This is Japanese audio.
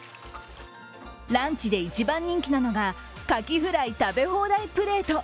ランチで一番人気なのが牡蠣フライ食べ放題プレート。